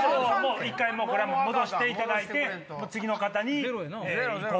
一回戻していただいて次の方に。